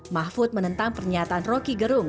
mahfud menentang pernyataan roky gerung